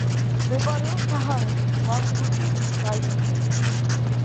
მდებარეობს საჰარაში, მარზუკის რაიონში.